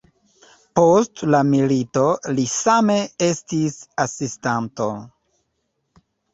Post la milito li same estis asistanto.